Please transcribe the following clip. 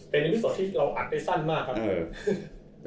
เป็นอิปโศตรที่เราอักได้สั้นมากครับ